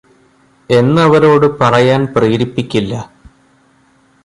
എന്നവരോട് പറയാൻ പ്രേരിപ്പിക്കില്ല